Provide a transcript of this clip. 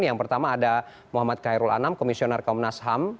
yang pertama ada muhammad khairul anam komisioner komnas ham